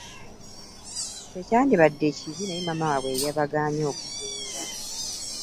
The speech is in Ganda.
Tekyandibadde kibi naye maama waabwe yeyabagaanyi okuganda.